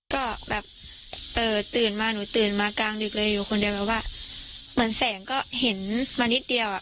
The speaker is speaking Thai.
ก็แบบตื่นมาหนูตื่นมากลางดึกเลยอยู่คนเดียวแบบว่าเหมือนแสงก็เห็นมานิดเดียวอ่ะ